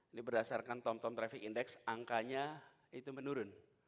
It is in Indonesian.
ini berdasarkan tomtom traffic index angkanya itu menurun